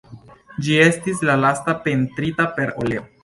Ĝi estis la lasta pentrita per oleo.